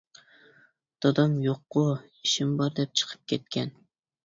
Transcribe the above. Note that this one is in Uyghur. -دادام يوققۇ؟ -ئىشىم بار دەپ چىقىپ كەتكەن.